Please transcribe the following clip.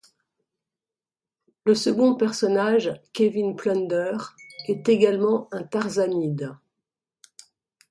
Le second personnage, Kevin Plunder, est également un tarzanide.